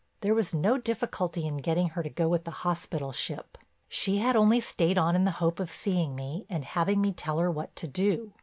There was no difficulty in getting her to go with the hospital ship. She had only stayed on in the hope of seeing me and having me tell her what to do.